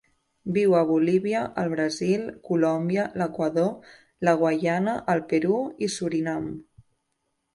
Viu a Bolívia, el Brasil, Colòmbia, l'Equador, la Guaiana, el Perú i Surinam.